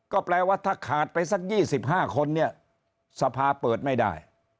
ก็แปลว่าถ้าขาดไปสัก๒๕คนเนี่ยสภาเปิดไม่ได้